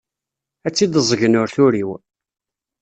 Ad tt-id-ẓẓgen ur turiw.